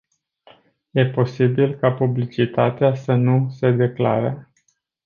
E posibil ca publicitatea să nu se declare.